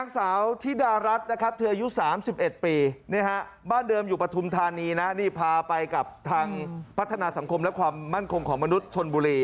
สาวธิดารัฐนะครับเธออายุ๓๑ปีบ้านเดิมอยู่ปฐุมธานีนะนี่พาไปกับทางพัฒนาสังคมและความมั่นคงของมนุษย์ชนบุรี